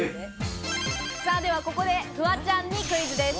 ではここでフワちゃんにクイズです。